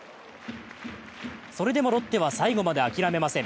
それでもロッテは最後まで諦めません。